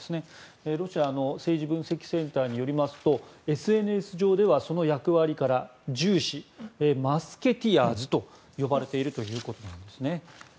ロシアの政治分析センターによりますとＳＮＳ上ではその役割から銃士、マスケティアーズと呼ばれているということなんですね。